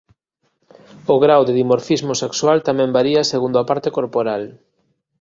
O grao do dimorfismo sexual tamén varía segundo a parte corporal.